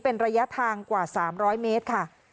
เป็นระยะทางกว่า๓๐๐เมตรค่ะ